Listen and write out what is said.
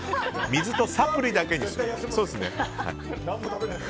水とサプリだけにする。